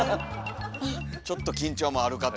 ちょっと緊張もあるかと。